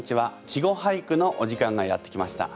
「稚語俳句」のお時間がやってきました。